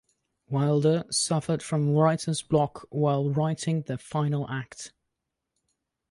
Wilder suffered from writer's block while writing the final act.